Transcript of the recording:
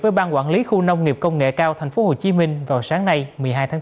với ban quản lý khu nông nghiệp công nghệ cao thành phố hồ chí minh vào sáng nay một mươi hai tháng bốn